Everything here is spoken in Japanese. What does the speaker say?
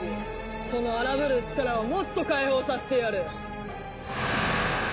その荒ぶる力をもっと解放させてやる。